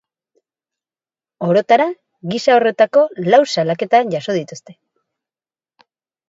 Orotara, gisa horretako lau salaketa jaso dituzte.